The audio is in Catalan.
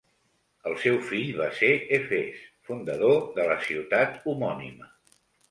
El seu fill va ser Efes, fundador de la ciutat homònima.